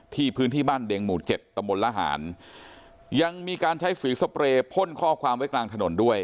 ที่พื้นที่บ้านเดงหมุ่ด๗ตมรรหารยังมีการใช้สวีสเปรย์พ่นข้อความในกลางถนนด้วย